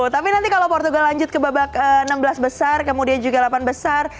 tapi nanti kalau portugal lanjut ke babak enam belas besar kemudian juga delapan besar